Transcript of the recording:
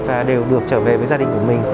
và đều được trở về với gia đình của mình